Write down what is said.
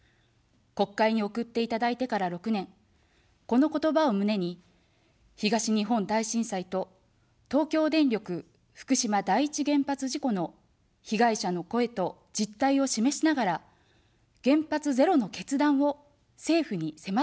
国会に送っていただいてから６年、この言葉を胸に、東日本大震災と、東京電力福島第一原発事故の被害者の声と実態を示しながら、原発ゼロの決断を政府にせまってきました。